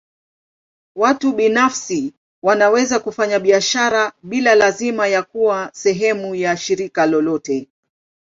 Watu binafsi wanaweza kufanya biashara bila lazima ya kuwa sehemu ya shirika lolote.